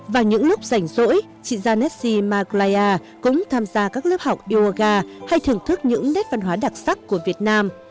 vào những lúc rảnh rỗi chị janessi maglia cũng tham gia các lớp học yoga hay thưởng thức những nét văn hóa đặc sắc của việt nam